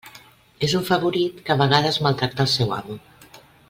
És un favorit que a vegades maltracta el seu amo.